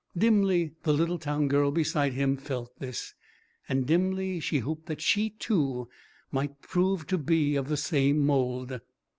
Dimly the little town girl beside him felt this, and dimly she hoped that she, too, might prove to be of the same mould.